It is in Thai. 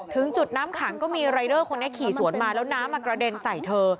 ถึงจุดน้ำขังก็มีรายเดอร์คนนี้ขี่สวนมาแล้วน้ำมากระเด็นใส่เธอ